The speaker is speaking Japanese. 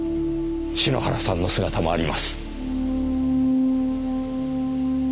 篠原さんの姿もあります。